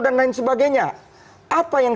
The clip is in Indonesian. dan lain sebagainya apa yang